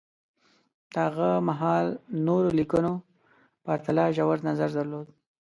د هغه مهال نورو لیکنو پرتله ژور نظر درلود